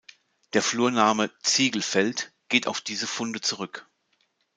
Der Flurname, „Ziegelfeld“, geht auf diese Funde zurück.